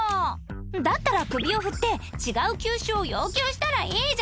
だったら首を振って違う球種を要求したらいいじゃない